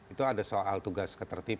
dua ribu dua itu ada soal tugas ketertiban